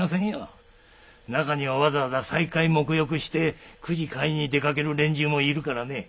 中にはわざわざ斎戒沐浴してくじ買いに出かける連中もいるからね。